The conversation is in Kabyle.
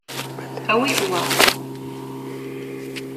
Awit wa.